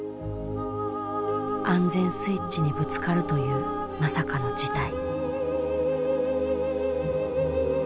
安全スイッチにぶつかるというまさかの事態。